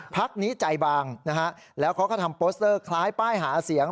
พักนี้ใจบางนะฮะแล้วเขาก็ทำโปสเตอร์คล้ายป้ายหาเสียง